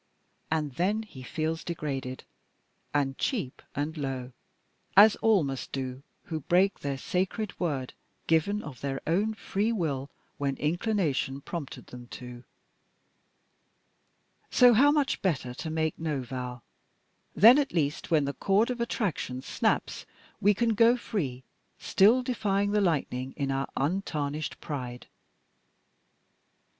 And then he feels degraded and cheap and low, as all must do who break their sacred word given of their own free will when inclination prompted them to. So how much better to make no vow; then at least when the cord of attraction snaps, we can go free, still defying the lightning in our untarnished pride."